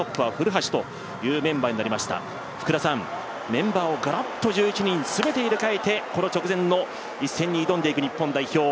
メンバーをガラッと１１人、全て入れ替えて、この直前の一戦に挑んでいく日本代表。